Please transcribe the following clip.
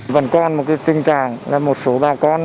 vẫn còn một tình trạng là một số bà con